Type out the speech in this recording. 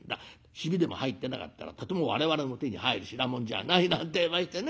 ヒビでも入ってなかったらとても我々の手に入る品物じゃない』なんてえましてね。